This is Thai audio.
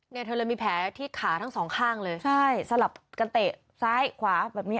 เธอเลยมีแผลที่ขาทั้งสองข้างเลยใช่สลับกันเตะซ้ายขวาแบบนี้